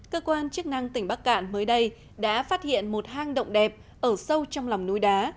cơ quan chức năng tỉnh bắc cạn mới đây đã phát hiện một hang động đẹp ở sâu trong lòng núi đá